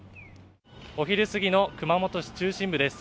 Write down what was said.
お昼過ぎの熊本市中心部です。